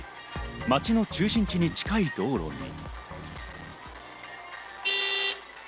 街の中心地に近い道路に。